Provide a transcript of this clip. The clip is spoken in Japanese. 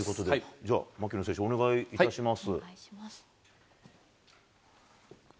じゃあ、槙野選手、お願いいたします。